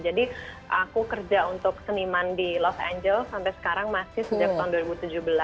jadi aku kerja untuk seniman di los angeles sampai sekarang masih sejak tahun dua ribu tujuh belas